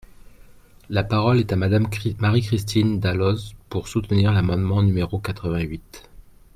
La parole est à Madame Marie-Christine Dalloz, pour soutenir l’amendement numéro quatre-vingt-huit.